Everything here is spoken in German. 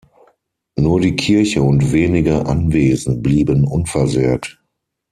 Nur die Kirche und wenige Anwesen blieben unversehrt.